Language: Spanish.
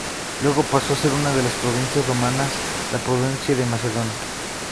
Luego paso a ser una de las provincias romanas, la provincia de Macedonia.